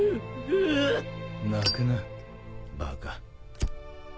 泣くなバカ。